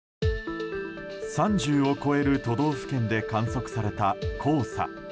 ３０を超える都道府県で観測された、黄砂。